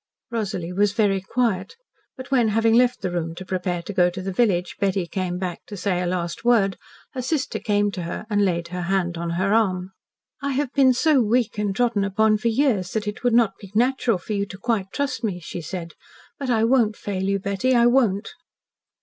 Rosalie was very quiet, but when, having left the room to prepare to go to the village, Betty came back to say a last word, her sister came to her and laid her hand on her arm. "I have been so weak and trodden upon for years that it would not be natural for you to quite trust me," she said. "But I won't fail you, Betty I won't."